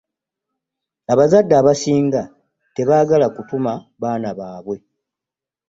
Abazadde abasinga tebagala kutuma baana babwe.